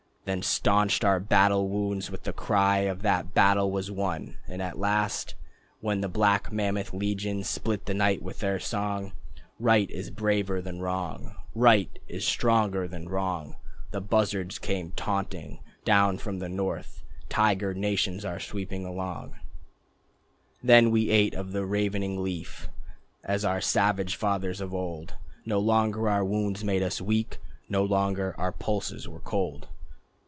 Then staunched our horrible wounds With the cry that the battle was won.... And at last, When the black mammoth legion Split the night with their song: "Right is braver than wrong, Right is stronger than wrong," The buzzards came taunting: "Down from the north Tiger nations are sweeping along." ..... Then we ate of the ravening Leaf As our savage fathers of old. No longer our wounds made us weak, No longer our pulses were cold.